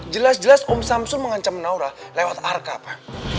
jelas jelas om samsul mengancam naura lewat arka pak